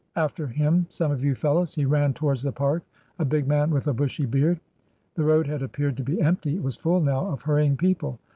After him some of you fellows! He ran towards the Park. A big man with a bushy beard." The road had appeared to be empty ; it was full now of hurrying people.